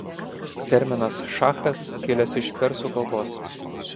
Terminas „šachas“ kilęs iš persų kalbos.